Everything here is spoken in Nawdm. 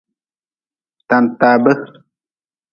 Tantaabe.